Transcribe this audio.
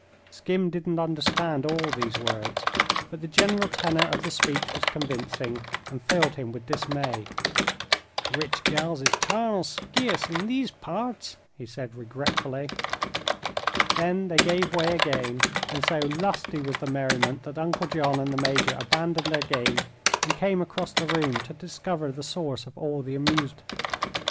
Skim didn't understand all these words, but the general tenor of the speech was convincing, and filled him with dismay. "Rich gals is tarnal skeerce in these parts," he said, regretfully. Then they gave way again, and so lusty was the merriment that Uncle John and the Major abandoned their game and came across the room to discover the source of all this amusement.